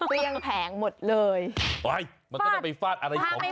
เกลี้ยงแผงหมดเลยมันก็ต้องไปฟาดอะไรของมัน